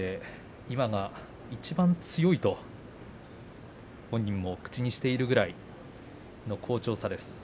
今がいちばん強いと本人も口にしているくらい好調さです。